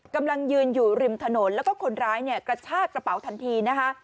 กำลังยืนอยู่ริมถนนแล้วก็คนร้ายเนี่ยกระชากระเป๋าทันทีนะคะ